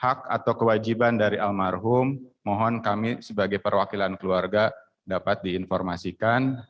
hak atau kewajiban dari almarhum mohon kami sebagai perwakilan keluarga dapat diinformasikan